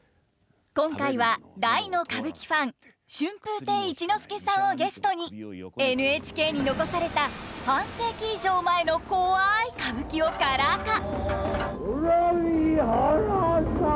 今回は大の歌舞伎ファン春風亭一之輔さんをゲストにＮＨＫに残された半世紀以上前のコワい歌舞伎をカラー化！